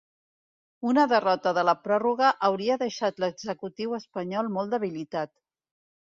Una derrota de la pròrroga hauria deixat l’executiu espanyol molt debilitat.